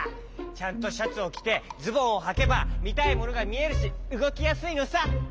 ちゃんとシャツをきてズボンをはけばみたいものがみえるしうごきやすいのさ！